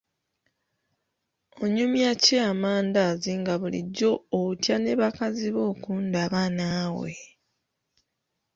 Onyumya ki amandaazi nga bulijjo otya ne bakazi bo okundaba naawe.